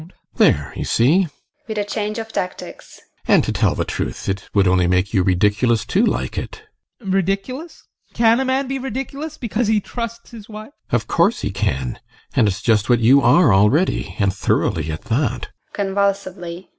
GUSTAV. There, you see! [With a change of tactics] And to tell the truth, it would only make you ridiculous to like it. ADOLPH. Ridiculous? Can a man be ridiculous because he trusts his wife? GUSTAV. Of course he can. And it's just what you are already and thoroughly at that!